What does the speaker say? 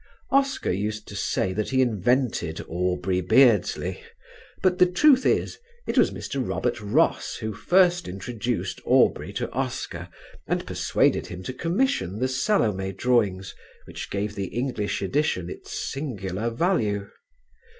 Oscar used to say that he invented Aubrey Beardsley; but the truth is, it was Mr. Robert Ross who first introduced Aubrey to Oscar and persuaded him to commission the "Salome" drawings which gave the English edition its singular value.